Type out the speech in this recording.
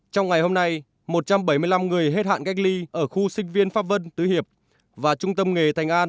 trong ngày hôm nay một trăm bảy mươi năm người hết hạn cách ly ở khu sinh viên pháp vân tứ hiệp và trung tâm nghề thành an